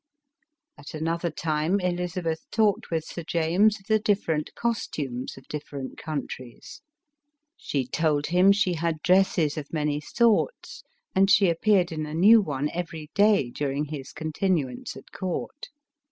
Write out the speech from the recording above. At anothei time Elizabeth talked with Sir James of the different cos tames of different countries. She told him she had 310 ELIZABETH OF ENGLAND. dresses of many sorts ; and she appeared in a new one every day during his continuance at court.